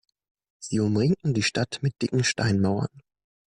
Sie umringten die Stadt mit dicken Steinmauern.